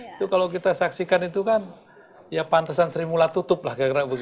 itu kalau kita saksikan itu kan ya pantesan seri mula tutup lah